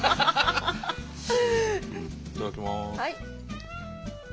いただきます。